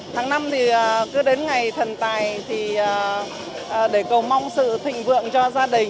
tháng năm thì cứ đến ngày thần tài thì để cầu mong sự thịnh vượng cho gia đình